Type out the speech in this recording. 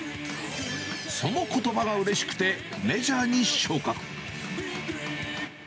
そのことばがうれしくて、メジャーに昇格。